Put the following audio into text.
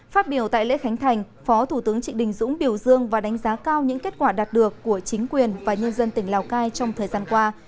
phát biểu tại lễ khánh thành phó thủ tướng trịnh đình dũng biểu dương và đánh giá cao những kết quả đạt được của chính quyền và nhân dân tỉnh lào cai trong thời gian qua